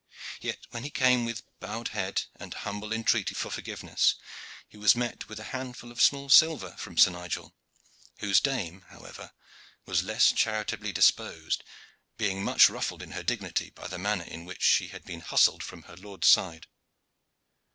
Yet, when he came with bowed head and humble entreaty for forgiveness, he was met with a handful of small silver from Sir Nigel, whose dame, however, was less charitably disposed, being much ruffled in her dignity by the manner in which she had been hustled from her lord's side.